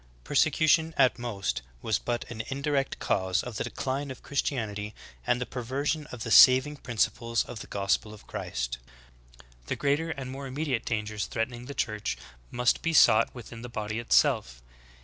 / v7. ; Persecution at most was but an indirect cause of the decline of Christianity and the perversion of the saving prin ciples of the gospel of Christ. The greater and more im mediate dangers threatening the Church must be sought within the body itself.